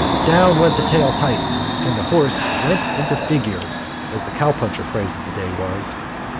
Down went the tail tight, and the horse "went into figures," as the cow puncher phrase of that day was.